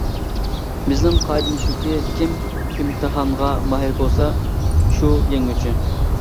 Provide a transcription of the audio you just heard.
بىزنىڭ قائىدىمىز شۇكى، كىم ئىمتىھانغا ماھىر بولسا، شۇ يەڭگۈچى!